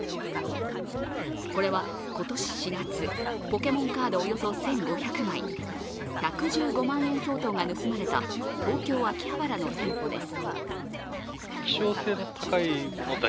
これは今年４月、ポケモンカードおよそ１５００枚、１１５万円相当が盗まれた東京・秋葉原の店舗です。